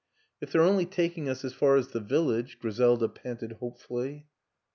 " If they're only taking us as far as the vil lage," Griselda panted hopefully.